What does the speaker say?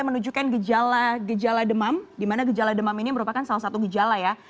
ia menunjukkan gejala demam dimana gejala demam ini merupakan salah satu gejala ya